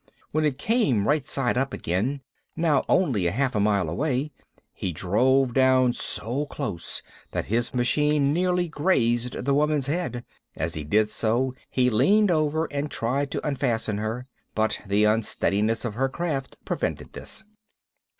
When it came right side up again now only a half a mile away he drove down so close that his machine nearly grazed the woman's head. As he did so, he leaned over and tried to unfasten her. But the unsteadiness of her craft prevented this.